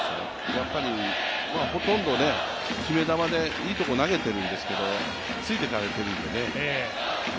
やっぱりほとんど決め球でいいとこ投げてるんですけど、ついてかれているんでね。